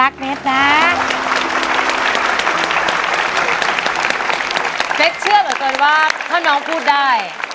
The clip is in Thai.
เจ็บเชื่อเหลือจนว่าถ้าน้องพูดได้